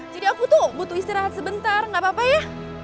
jadi aku tuh butuh istirahat sebentar gak apa apa ya